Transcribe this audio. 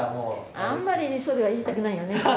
あんまりそれは言いたくないよね。